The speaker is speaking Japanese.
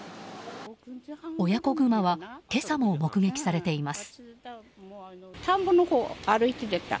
親子グマは今朝も目撃されています。